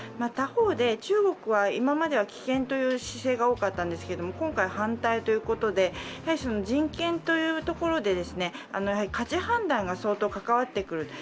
他方で中国は今までは棄権という姿勢が多かったんですけれども、今回反対ということで人権というところで価値判断が相当関わってくる。